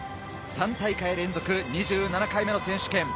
３大会連続２７回目の選手権。